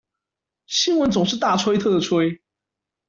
新聞總是大吹特吹